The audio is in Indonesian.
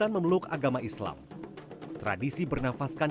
yang kemarin memang administrasi setelah berkunjungan